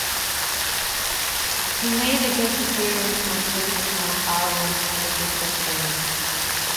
He made a guest appearance on Crazy Town's album, "The Gift of Game".